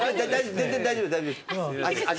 全然大丈夫大丈夫。